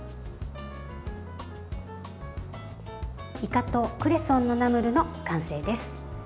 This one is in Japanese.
いかとクレソンのナムルの完成です。